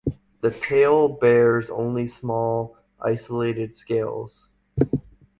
The tail bears only small, isolated scales.